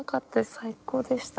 最高でした。